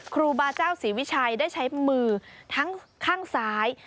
ครูบาเจ้าศรีวิชัยได้ใช้มือทั้งข้างซ้าย